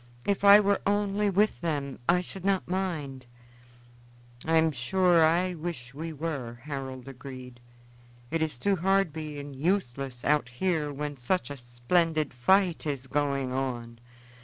"If I were only with them, I should not mind." "I am sure I wish we were," Harold agreed. "It is too hard being useless out here when such a splendid fight is going on.